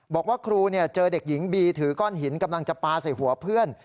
บอกว่าครูเจอเด็กหญิงบีถือก้อนหินกำลังจะปลาใส่หัวเพื่อน